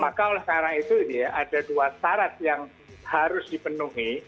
maka oleh karena itu ada dua syarat yang harus dipenuhi